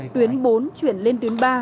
tuyến bốn chuyển lên tuyến ba